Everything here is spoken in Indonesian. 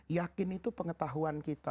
yakin itu pengetahuan kini